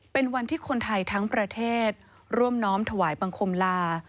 เป็นวันที่คนไทยทั้งประเทศร่วมน้อมถวายบังคมลา